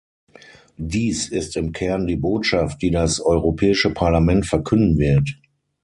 Dies ist im Kern die Botschaft, die das Europäische Parlament verkünden wird.